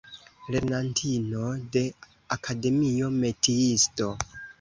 Lernantino de Akademio, "metiisto".